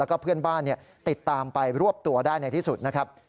แล้วก็เพื่อนบ้านติดตามไปรวบตัวได้ในที่สุดนะครับ